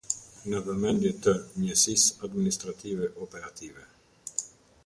Në vëmendje të: Njësisë Administrative Operative.